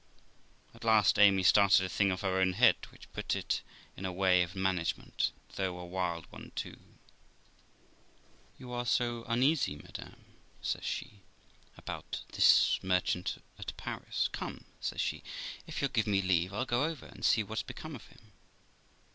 At last Amy started a thing of her own head, which put it in a way of management, though a wild one too. 'You are so uneasy, madam', says she, 'about this Mr , the merchant at Paris; come', says she, 'if you'll give me leave, I'll go over and see what's become of him.'